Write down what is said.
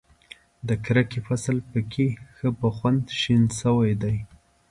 د کرکې فصل په کې ښه په خوند شین شوی دی.